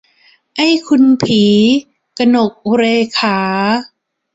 ไอ้คุณผี - กนกเรขา